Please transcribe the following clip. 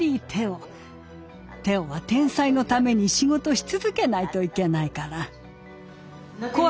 テオは天才のために仕事し続けないといけないから。